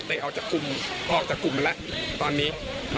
เตะออกจากกลุ่มมันแล้วตอนนี้